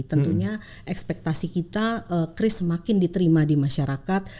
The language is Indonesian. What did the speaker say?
tentunya ekspektasi kita kris semakin diterima di masyarakat